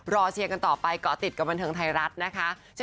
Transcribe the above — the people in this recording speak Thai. รอเชียงกันต่อไปก่อติดกับบรรเทิงไทยรัฐนะคะ